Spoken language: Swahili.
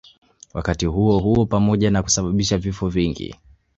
Wakati huohuo pamoja na kusababisha vifo vingi